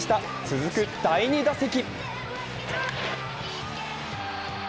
続く第２打席。